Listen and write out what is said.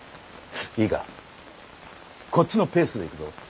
いいかこっちのペースでいくぞ。